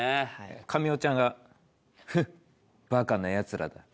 神尾ちゃんが「ふっバカな奴らだ」。